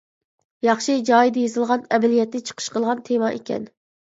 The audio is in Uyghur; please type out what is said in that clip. ياخشى جايىدا يېزىلغان، ئەمەلىيەتنى چىقىش قىلغان تېما ئىكەن.